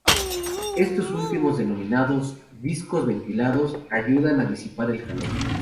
Estos últimos, denominados discos ventilados, ayudan a disipar el calor.